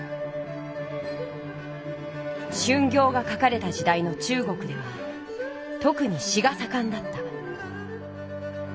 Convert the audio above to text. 「春暁」が書かれた時代の中国ではとくに詩がさかんだった。